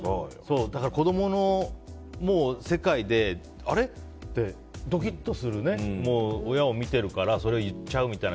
だから、子供の世界であれ？ってドキッとする親を見てるからそれを言っちゃうみたいな。